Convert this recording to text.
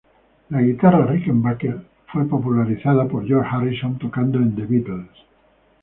Las guitarras Rickenbacker fueron popularizadas por George Harrison tocando en The Beatles.